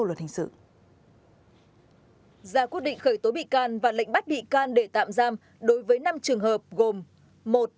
ra quyết định khởi tố bị can và lệnh bắt bị can để tạm giam đối với năm trường hợp gồm